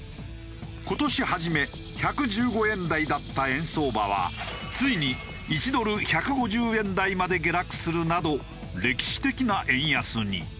今年初め１１５円台だった円相場はついに１ドル１５０円台まで下落するなど歴史的な円安に。